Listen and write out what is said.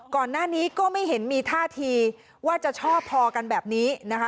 ก่อนหน้านี้ก็ไม่เห็นมีท่าทีว่าจะชอบพอกันแบบนี้นะคะ